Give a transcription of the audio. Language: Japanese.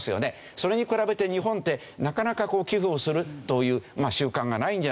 それに比べて日本ってなかなか寄付をするという習慣がないんじゃないか。